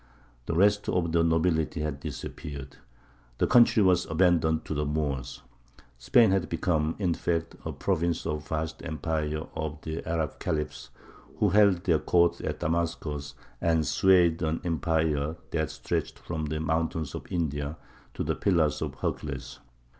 The rest of the nobility had disappeared; the country was abandoned to the Moors. Spain had become, in fact, a province of the vast empire of the Arab Khalifs, who held their court at Damascus and swayed an empire that stretched from the mountains of India to the pillars of Hercules.